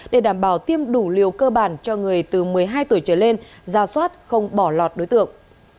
để đảm bảo tiêm đủ liều cơ bản cho người từ một mươi hai tuổi trở lên ra soát không bỏ lọt đối tượng